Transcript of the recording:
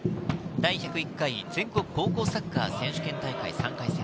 第１０１回、全国高校サッカー選手権大会３回戦。